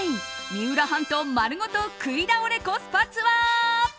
三浦半島丸ごと食い倒れコスパツアー！